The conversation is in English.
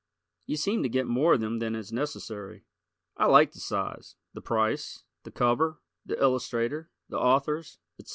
You seem to get more of them than is necessary. I like the size, the price, the cover, the illustrator, the authors, etc.